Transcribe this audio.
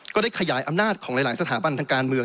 ก็ได้ขยายอำนาจของหลายสถาบันทางการเมือง